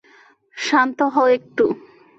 শান্ত হ একটু?